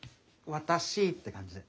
「私ぃ」って感じで。